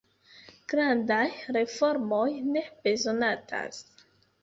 Grandaj reformoj ne bezonatas.